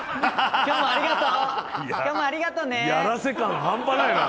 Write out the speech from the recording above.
今日もありがとう。